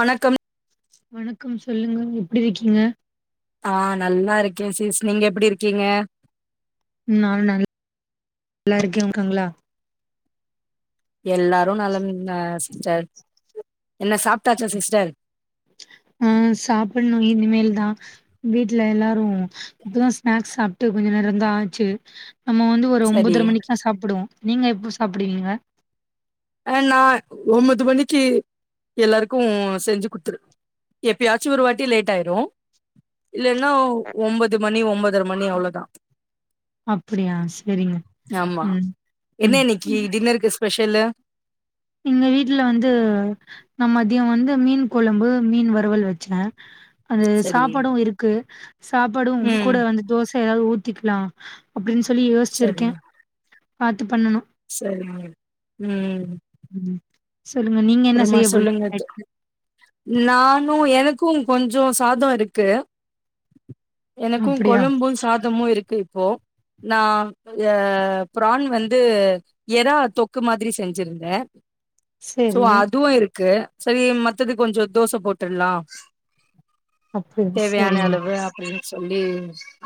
வணக்கம் வணக்கம் சொல்லுங்க எப்டிருக்கீங்க ஆ நல்லா இருக்க சீஸ் நீங்க எப்டி இருக்கீங்க ம் நானு நல்லாருக்கே வுகங்ளா எல்லாரு நலன் ந சிஸ்டர் என்ன சாப்டாச்சா சிஸ்டர் அ சாப்புல்ணு இனிமேல்தா வீட்ல எல்லாரு இப்பதா ஸ்நாக்ஸ் சாப்ட்டு கொஞ்ச நேரந்தா ஆச்சு நம்ம வந்து ஒரு சரி. ஒம்பதர மணிக்கா சாப்புடுவோ நீங்க எப்ப சாப்புடுவீங்க அ நா ஒம்பொது மணிக்கி எல்லாருக்கு செஞ்சு குட்த்துரு எப்பியாச்சு ஒரு வாட்டி லேட்டாயிரு இல்லேனா ஒம்பது மணி ஒம்பதர மணி அவ்ளோதா அப்புடியா செரிங்க ம் ம் இ டின்னருக்கு ஸ்பெஷலு இங்க வீட்ல வந்து நம்மத் திய வந்து மீன் கொழம்பு மீன் வறுவல் வச்சே அந்த சரி. சாப்பாடு இருக்கு சாப்பாடு ம். கூட வந்து தோச எதாவ் ஊத்திக்லா அப்டின்னு சொல்லி யோஸ்சிருக்கே பாத்து பண்ணணு செரிங்க ம் ம் சொல்லுங்க நீங்க என்ன செய்ய போறீ [inaudible] நானு எனக்கு கொஞ்சோ சாதோ இருக்கு எனக்கு அப்டியா கொழம்பு சாதமு இருக்கு இப்போ நா ய பிரான் வந்து எறா தொக்கு மாதிரி செஞ்சிருந்தே சோ சேரி அதுவு இருக்கு செரி மத்தது கொஞ்சோ தோச போட்டுர்லா அப்ப தேவையான சேரிங்க அளவு அப்படின் சொல்லி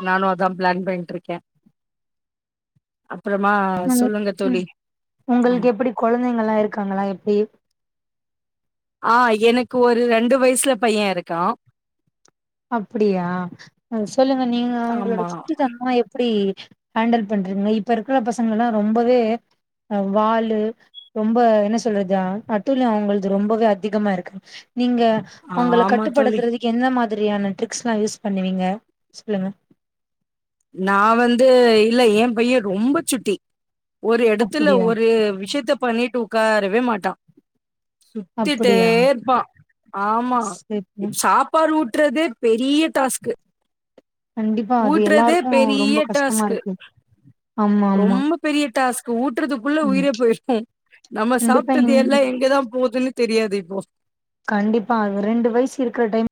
நானு அதா பிளான் பண்ணிட்ருக்கே இருக்கே அப்பறமா சொல்லுங்க தோழி ஆ கொழந்தைங்கலா இருக்காங்களா எப்டி ஆ எனக்கு ஒரு ரெண்டு வயசுல பைய இருக்கா அப்படியா அ சொல்லுங்க நீங்களு அவங்களோட ஆமா சுட்டி தனமா எப் படி ஹேண்டல் பண்றிங்க இப்ப இருக்கற பசங்கல்லா ரொம்பவே அ வாலு ரொம்ப என்ன சொல்றது அட்டூலியோ அவுங்கள்து ரொம்பவே அதிகமா இருக்கு நீங்க உங்கள ஆமா தோழி கட்டுப்படுத்தறதுக்கு எந்த மாதிரியான ட்ரிக்ஸ்லா யூஸ் பண்ணுவீங்க சொல்லுங்க நா வந்து இல்ல ஏ பைய ரொம்ப சுட்டி ஒரு எடத்துல அப்டியா ஒரு விஷயத்த பண்ணீட்டு உக்காரவே மாட்டா சுத்திட்டே அப்டியா இருப்பா ஆமா சேரிங்க சாப் பாடு ஊட்றது பெரிய டாஸ்க்கு கண்டிப்பா அது எல்லாருக்கு பெரிய ரொம்ப கஷ்டமா டாஸ்க்கு இருக்கு ஆமா ஆமா ரொம்ப பெரிய டாஸ்க்கு ஊட்றதுக்குள்ள ஆமா உயிரே போயிரு நம்ம கண்டிப்பா சாப்ட்டது இன் எல்லா எங்கதா போதுன்னு தெரியாது இப்போ கண்டிப்பா ரெண்டு வயசு இருக்கற டைம்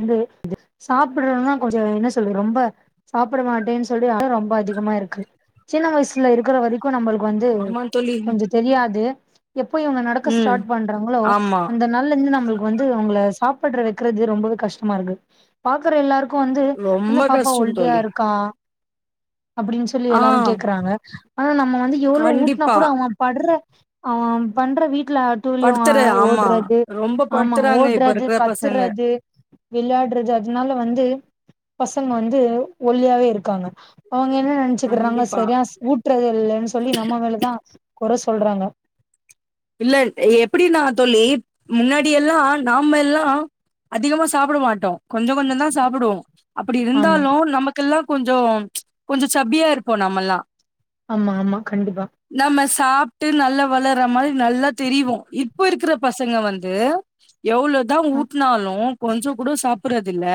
வந்து சாப்பிடுறதுனா கொஞ்சோ என்ன சொல்றது ரொம்ப சாப்பட மாட்டேன்னு சொல்லி அடோ ரொம்ப அதிகமா இருக்கு சின்ன வயசுல இருக்கற வரைக்கு நம்பளுக்கு வந்து ஆமா தோழி கொஞ்சோ தெரியாது எப்போ இவங்க நடக்க ம் ஸ்டார்ட் பண்றாங்களோ ஆமா அந்த நல்ல இன்னு நம்மளுக்கு வந்து அவங்கள சாப்பட்ற வெக்கறது ரொம்பவே கஷ்டமா இருக்கு பாக்கற எல்லாரு க்கு வந்து என்ன ரொம்ப பாப்பா கஷ்டம் ஒல்லியா தோழி இருக்கா அப்படின்னு சொல்லி ஆ எல்லாரு கேக்கறாங்க அனா நம்ம வந்து எவ்வளோ ஊட்னாக் கண்டிப்பா கூட அவ படுற ஆ பண்ற வீட்ல அட்டூழியோ படுத்துற ஆமா ஓடுறது ரொம்ப ஆமா படுத்துறாங்க இப்ப ஓடுறது இருக்கிற பசங்க கத்துறது விளையாடுறது அதனால வந்து பசங்க வந்து ஒலியாவே இருக்காங்க அவுங்க என்ன நெனச்சுக்கறாங்க கண்டிப்பா செரியா ஊட்டுறது இல்லன்னு சொல்லி நம்ம மேலதா குற சொல்றாங்க இல்ல எப்படி நா தோழி முன்னாடி எல்லா நாமெல்லா அதிகமா சாப்பட மாட்டோ கொஞ்ச கொஞ்ச தா சாப்புடுவோ அப்படி ஆமா இருந்தாலு நமக்கெல்லா கொஞ்சோ கொஞ்ச சப்பியா இருப்போ நம்மல்லா ஆமா ஆமா கண்டிபா நம்ம சாப்ட்டு நல்ல வளர்ற மாரி நல்லா தெரிவோ இப்ப இருக்கற பசங்க வந்து எவ்ளோதா அ ஊட்னாலு கொஞ்சகூட சாப்பறதில்ல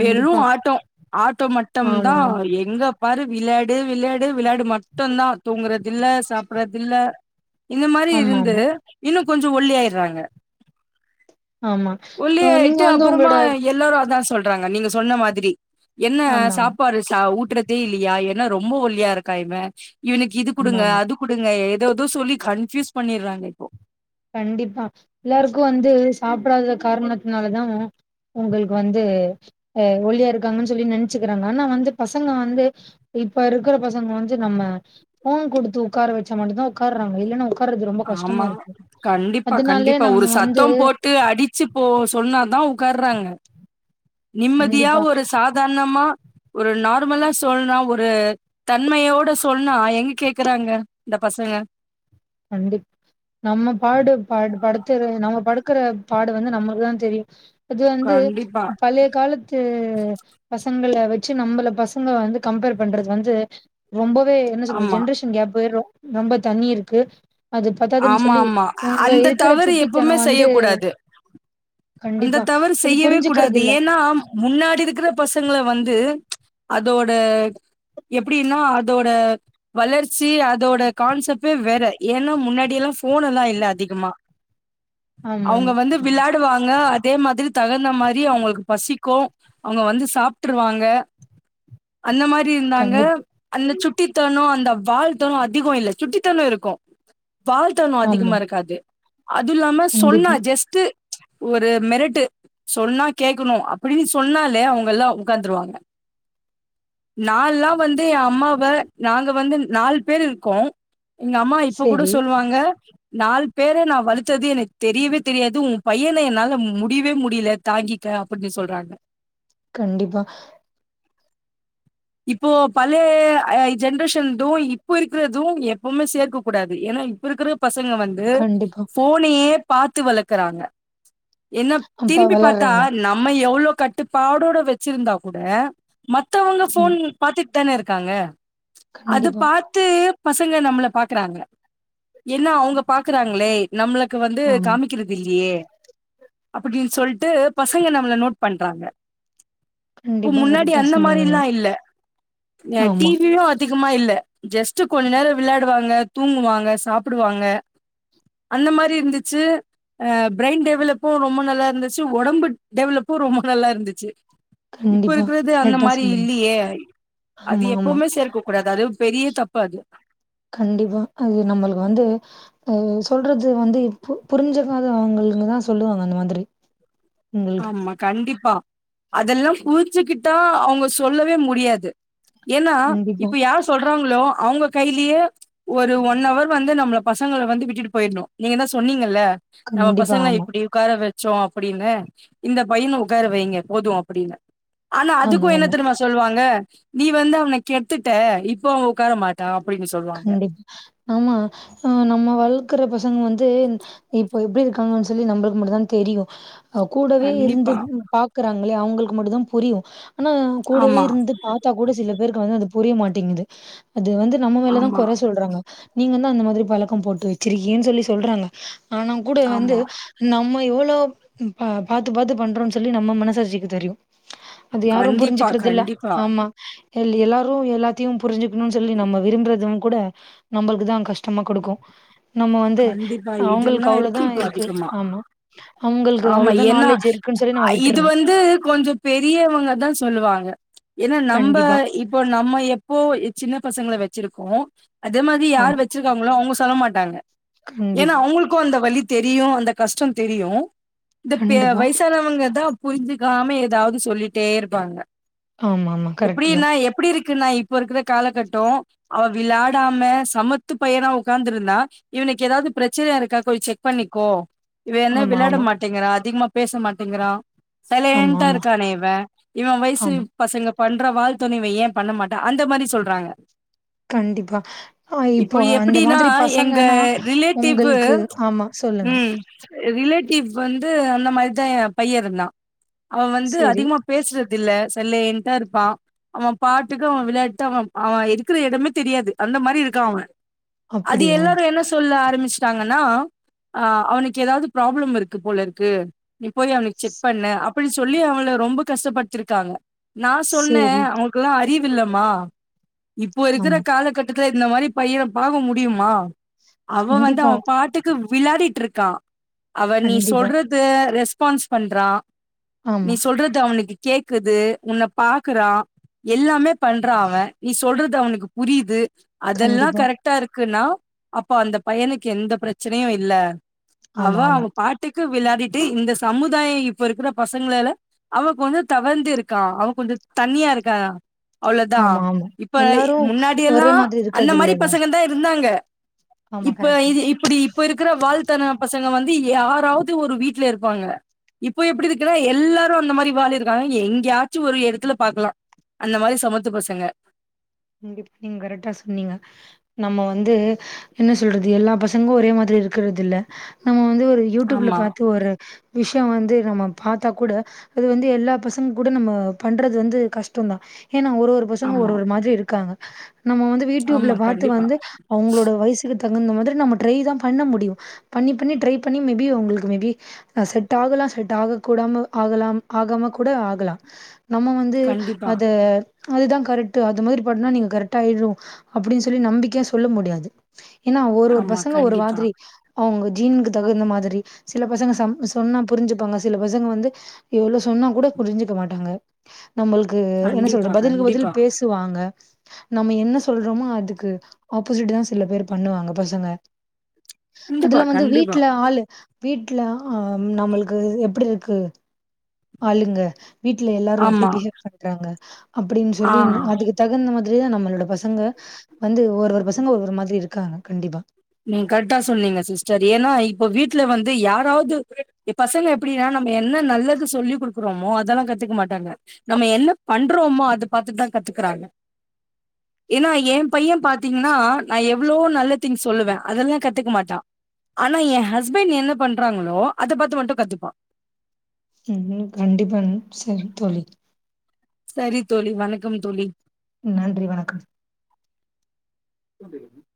வெறு ஆட்டோ ஆட்டோ மட்டும்தா ஆமா எங்க பாரு விளாடு விளாடு விளாடு மட்டுந்தா தூங்கறதில்ல சாப்றதில்ல இந்த மாரி ஆமா இருந்து ஆமா இன்னோ கொஞ்சோ ஒல்லியாயிறாங்க ஆமா ஆ நீங்க ஒல்லியாயிட்டு வந்து அப்பறமா உங்களோட எல்லோரோ அதா சொல்றாங்க நீங்க சொன்ன மாதிரி என்ன ஆமா ஆமா சாப்பாடு சா ஊட்ற தே இல்லியா என்ன ரொம்ப ஒல்லியா இருக்கா இவ இவனுக்கு இது ஆமா குடுங்க ஆமா அது குடுங்க ஏதேதோ சொல்லி கன்ஃப்யூஸ் பண்ணிறாங்க இப்போ கண்டிப்பா எல்லாருக்கு வந்து சாப்பிடாத காரணத்னாலதா உங்களுக்கு வந்து ஆ ஒல்லியா இருக்காங்கன் சொல்லி நென்ச்சுக்குறாங்க ஆனா வந்து பசங்க வந்து இப்ப இருக்குற பசங்க வந்து நம்ம ஃபோன் குடுத்து உக்கார வெச்சா மட்டுதா உக்காற்றாங்க இல்லனா உக்காறது ரொம்ப கஷ்டமா ஆமா இருக்கு கண்டிப்பா அதனாலே கண்டிப்பா ஒரு நம்ம வந்து சத்தோ போட் டு அடிச்சி போ சொன்னதா உக்காற்றாங்க நிம்மதியா கண்டிப்பா ஒரு சா தார்ணமா ஒரு நார்மலா சொன்னா ஒரு தன்மையோட சொன்னா எங்க கேக்கறாங்க இந்த பசங்க கண்டிப் நம்ம பாடு பாடு படுத் துற நம்ம படுக்குற பாடு வந்து நம்ளுக்குதா தெரியு அது வந்து கண்டிப்பா பழைய காலத்து பசங்கள வெச்சி நம்பள பசங்க வந்து கம்பேர் பண்றது வந்து ரொம்பவே என்ன சொல்து ஆமா ஜென்ரேஷன் கேப்பு ரொ ரொம்ப தண்ணி இருக்கு அது பத்தாதுன்னு ஆமா சொல்லி ஆமா இவங்க அந்த இருக்கிற தவறு எப்புமே சுட்டித்தனம் செய்ய வந்து கூடாது அந்த கண்டிப்பா தவறு அது செய்யவே புரிஞ்சுக்கிறது கூடாது இல்ல ஏன்னா முன்னாடி இருக்கிற பசங்கள வந்து அதோட எப்டினா அதோட வளர்ச்சி அதோட கான்செப்டே வேற ஏன்னா முன்னாடியெல்லா ஃபோன் எல்லா இல்ல அதிகமா ஆமா அவுங்க ஆமா வந்து விளாடுவாங்க அதே மாதிரி தகுந்த மாரி அவுங்களுக்கு பசிக்கு அவுங்க வந்து சாப்ட்ருவாங்க அந்த மாரி இந்தாங்க கண்டிப்பா அந்த சுட்டித்தனோ அந்த வால்த்தனோ அதிகோ இல்ல சுட்டித்தனோ இருக்கு வால்த்தனோ ஆமா அதிகமா இருக்காது அது இல்லாம சொன்னா கண்டிப்பா ஜஸ்ட்டு ஒரு மெரட்டு சொன்னா கேக்கணு அப்படின் சொன்னாலே அவுங்கெல்லா உக்காந்துருவாங்க நால்லா வந்து எ அம்மாவ நாங்க வந்து நால் பேர் இருக்கோ எங்க அம்மா இப்ப கூட செரி சொல்லுவாங்க நாலு பேர நா வளத்தது எனக் தெரியவே தெரியாது உ பையன என்னால முடிவே முடியலி தாங்கிக்க அப்பட்னு சொல்றாங்க கண்டிப்பா இப்போ பழைய அ ஜென்ரேஷன்தோ இப்ப இருக்கிறதோ எப்பவ்மே சேர்க்க கூடாது ஏனா இப்ப இருக்கிற பசங்க வந்து கண்டிப்பா ஃபோனயே பாத்து வளக்குறாங்க என்ன அப்ப திரும்பி பாத்தா வளர்றாங்க ந ம்மா எவ்ளோ கட்டுப்பாடோட வெச்சிருந்தா கூட மத்தவங்க ஃபோன் ம் பாத்துட்தான இருக்காங்க அது கண்டிப்பா பா த்து பசங்க நம்மள பாக்குறாங்க ஏனா அவுங்க பாக்குறாங்களே நம்மளுக்கு வந்து ஆமா காமிக் கிருதில்லியே அப்படீன் சொல்ட்டு பசங்க நம்மள நோட் பண்றாங்க இப்ப கண்டிப்பா முன்னாடி கரெக்டா அந்த சொன்னீங்க மாரில்லா நீங்க இல்ல அ ஆமா டிவியு அதிகமா இல்ல ஜஸ்ட்டு கொஞ்ச நேரோ விளாடுவாங்க தூங்குவாங்க சாப்புடுவாங்க அந்த மாரி இருந்துச்சு அ ப்ரெய்ன் டெவலேப்பு ரொம்ப நல்லா இருந்துச்சு ஒடம்பு டெவலெப்பு ரொம்ப நல்லா இருந்துச்சு இப்ப கண்டிப்பா இருக்கிறது அந்த கரெக்டா மாரி சொன்னீங்க இல்லியே அது ஆமா ஆமா எப்பவுமே சேர்க்க கூடாது அது பெரிய தப்பு அது கண்டிப்பா அது நம்மள்க் வந்து அது சொல்றது வந்து இ பு புரிஞ்சிக்காதவுங்கள்க்கு தா சொல்லுவாங்க அந்த மாதிரி உங்களுக்கு ஆமா கண்டிப்பா அதெல்லா புரிஞ்சிக்கிட்டா அவுங்க சொல்லவே முடியாது ஏனா கண்டிப்பா இப்ப யார் சொல்றாங்ளோ அவுங்க கைலியோ ஒரு ஒன்னவர் வந்து நம்ள பசங்கள வந்து விட்டுட்டு போயிர்னு நீங்க தா சொன்னீங்கல்ல நம்ம கண்டிப்பா பசங்கள ஆமா இப்டி உக்கார வெச்சோ அப்டின்னு இந்த பையன உக்கார வைங்க போது அப்டின்னு ஆனா ஆமா அதுக்கு என்ன ஆமா தெரிமா சொல்வாங்க நீ வந்து அவன கெட்த்துட்ட இப்போ அவ உக்கார மாட் டா அப்டின்னு சொல்வாங்க கண்டிப்பா ஆமா அ நம்ம வளக்கற பசங்க வந்து இப்ப எப்டி இருக்காங்கன் சொல்லி நம்ளுக்கு மட்டுந்தா தெரியு அ கூடவே இருந்து கண்டிப்பா பாக்கறாங்கல்யா அவுங்ளுக்கு மட்டு தா புரியு ஆனா கூடவே ஆமா இருந்து பாத்தா கூட சில பேருக்கு வந்து அது புரிய மாட்டிங்கிது அது வந்து நம்ம மேலதா ஆமா கொற சொல்றாங்க நீங்க தா அந்த மாதிரி பழக்கோ போட்டு வெச்சிருக்கீங்க சொல்லி சொல்றாங்க ஆனா கூட வந்து ஆமா நம்ம எவ்ளோ ம் பா பாத்து பாத்து பண்றோன் சொல்லி நம்ம மனசாட்சிக்கு தெரியு அது யாரு கண்டிப்பா புரிஞ்சிக்கிற்தில்ல கண்டிப்பா ஆமா எல் எல்லாரு எல்லாத்தயு புரிஞ்சிக்கணுன் சொல்லி நம்ம விரும்பற தும் கூட நம்பள்க்கு தா கஷ்டமா குடுக்கு நம்ம வந்து கண்டிப்பா அவுங்கள்க்கு இதெல்லா அவ்ளதா இப்போ இருக்கு அதிகமா ஆமா அவுங்கள்க்கு ஆமா அவ்ளதா ஏன்னா நாலேஜ் இருக் இது வந்து கொஞ்சோ பெரியவங்கதா சொல்லுவாங்க ஏனா நம்ப கண்டிப்பா. இப் போ நம்ம எப்போ இ சின்ன பசங்கள வெச்சிருக்கோ அதே மாரி ஆமா. யார் வெ ச்சிருக்காங்ளோ அவுங்க சொல்ல மாட்டாங்க ஏனனா கண்டிப்பா, அவுங்கள்க்கு அந்த வலி தெரியு அந்த கஷ்டோ தெரியு இந்த பெ கண்டிப்பா. வய்சானவங்க தா புரிஞ்சிக்காம எதாவ்து சொல்லிட்டே இருப்பாங்க ஆமாமா. கரெக்ட்டு தான். எப்டின்னா எப்டி இருக் குன்னா இப்ப இருக்கிற காலக்கட்டோ அவ விளாடாம சமத்து பையனா உக்காந்திருந்தா இவனுக்கு எதாவ்து பிரச்சன இருக்கா போய் செக் பண்ணிக்கோ இவ என்ன ஆமா, விளாட ஆமா. மாட்டேங்கிறா அதிக்மா பேச மாட்டேங்கிறா ஆமா, சைலேன்ட்டா ஆமா, இருக்கானே இவ இவ வய்சு ஆமா. பசங்க பண்ற வால் தனோ இவ ஏ பண்ண மாட்டா அந்த மாரி சொல்றாங்க கண்டிப்பா அ இப்போ இப்ப அந்த எப்டின்னா மாதிரி பசங்க எங்க என்னனா ரிலேட்டிவ் உங்கள்க்கு ஆமா சொல்லுங்க ம் ரிலேட்டிவ் வந்து அந்த மாரிதா பைய இருந்தா அவ வந்து சரி. அதிக்மா பேஸ்றதில்ல சைலேன்ட்டா இருப்பா அவ பாட்டுக்கு அவ விளயாட்டு அவ அவ இருக்கிற எடமே தெரியாது அந்த மாரி இருக்கா அவ அது அப்படியா? எல்லா என்ன சொல்ல ஆரம்பிச்சிட்டாங்கன்னா அ அவுனுக்கு எதாவ்து ப்ராப்ளம் இருக்கு போலருக்கு நீ போய் அவனுக் செக் பண்ணு அப்பிடி சொல்லி அவள ரொம்ப கஷ்டப்பட்த்திருக்காங்க நா சொன்னே சரி. அவுங் குல்லா அறிவில்லமா இப்போ இருக்கிற ஆமா. காலக்கட் டத்துல இந்த மாரி பையன பாக்க முடியுமா அவ வந்து கண்டிப்பா, அவ பாட்டுக்கு விளாடிட்ருக்கா அவ நீ கண்டிப்பா. சொல்ற து ரெஸ்பான்ஸ் பண்றா நீ ஆமா. சொல்றது அவுனுக்கு கேக்குது உன்ன பாக்குறா எல்லாமே பண்றா அவ நீ சொல்றது அவுனுக்கு புரியிது அதெல்லா கண்டிப்பா. கரெக்ட்டா இருக்குன்னா அப்போ அந்த பையனுக்கு எந்த பிரச்சனயு இல்ல அவ ஆமா, ஆமா. அவ பாட்டுக்கு விளாடிட்டு இந்த சமுதாயோ இப்ப இருக்கிற பசங்ளால அவ கொஞ்சோ தவர்ந்திருக்கா அவ கொஞ்சோ தனியா இருக்கா அவ்ளோதா ஆமா, ஆமா. இப்ப எல்லாரும் முன்னாடியெல்லா ஒரே மாதிரி அந்த இருக்கறது மாரி இல்லல்ல. பசங்க தா இருந்தாங்க ஆமா இப்ப கரெக்ட்டு. இது இப்டி இப்ப இருக்குற வால்தன பசங்க வந்து யாராவது ஒரு வீட்ல இருப்பாங்க இப்போ எப்டி இருக்குன்னா எல்லாரு அந்த மாரி வால் இருக்கானா எங்கயாச்சு ஒரு எடத்துல பாக்கலா அந்த மாரி சமத்து பசங்க [inaudible] நீங்க கரெக்டா சொன்னீங்க நம்ம வந்து என்ன சொல்றது எல்லா பசங்களு ஒரே மாதிரி இருக்கிறது இல்ல நம்ம வந்து ஒரு யூடியூப்ல ஆமா பாத்து ஒரு விஷய வந்து நம்ம பாத்தா கூட அது வந்து எல்லா பசங்க கூட நம்ம பண்றது வந்து கஷ்டந்தா ஏன்னா ஒரு ஒரு பசங்க ஒரு ஆமா ஒரு மாதிரி இருக்காங்க நம்ம வந்து வீடியூப்ல ஆமா பாத்து கண்டிப்பா வந்து அவங்களோட வயசுக்கு தகுந்த மாதிரி நம்ம டிரை தா பண்ண முடியு பண்ணி பண்ணி ட்ரை பண்ணி மேபி அவங்களுக்கு மேபி ஆ செட் ஆகலாம் செட் ஆக கூடாம ஆகலாம் ஆகாம கூட ஆகலா நம்ம வந்து கண்டிப்பா அத அதுதா கரெக்ட்டு அது மாரி பண்ணா நீங்க கரெக்டா ஆயிடு அப்டின்னு சொல்லி நம்பிக்கையா சொல்ல முடியாது ஏன்னா ஒரு ஒரு ஆமா பசங்க ஒரு கண்டிப்பா மாதிரி அவங்க ஜீனுக்கு தகுந்த மாதிரி சில பசங்க சம் சொன்னா புரிஞ்சுப்பாங்க சில பசங்க வந்து எவ்ளோ சொன்னா கூட புரிஞ்சுக்க மாட்டாங்க நம்மளுக்கு என்ன கண்டிப்பா சொல்றது பதிலுக்கு பதில் கண்டிப்பா பேசுவாங்க நம்ம என்ன சொல்றோமோ அதுக்கு ஆப்போசிட் தா சில பேர் பண்ணுவாங்க பசங்க கண்டிப்பா அதில்லாமா வந்து கண்டிப்பா வீட்ல ஆளு வீட்ல ஆ நம்மளுக்கு எப்டி இருக்கு ஆளுங்க வீட்ல எல்லாரு எப்டி ஆமா பிஹேவ் பண்றாங்க அப்டின்னு ஆ சொல்லி அதுக தகுந்த மாதிரி தா நம்மளோட பசங்க வந்து ஒரு ஒரு பசங்க ஒரு ஒரு மாதிரி இருக்காங்க கண்டிப்பா நீங்க கரெக்ட்டா சொன்னீங்க சிஸ்டர் ஏன்னா இப்போ வீட்ல வந்து யாராவது பசங்க எப்டின்னா நம்ம என்ன நல்லது சொல்லி குடுக்குறமோ அதெல்லா கத்துக்க மாட்டாங்க நம்ம என்ன பண்றோமோ அத பாத்துதா கத்துக்குறாங்க ஏன்னா ஏ பைய பாத்தீங்கன்னா நா எவ்ளோ நல்ல திங்க்ஸ் சொல்லுவே அதெல்லா கத்துக்க மாட்டா ஆனா ஏ ஹஸ்பண்ட் என்ன பண்றாங்களோ அத பாத்து மட்டு கத்துப்பா ம் ம் கண்டிப்பாங்க செரி தோழி செரி தோழி வணக்கம் தோழி நன்றி வணக்கம் [unintelligible]